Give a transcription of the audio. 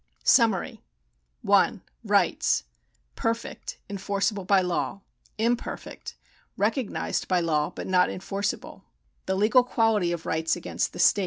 ^ SUMMARY. T TJ • lit f Perfect — enforceable by law. ° l^lmperfect — recognised by law, but not enforceable. The legal quality of rights against the state.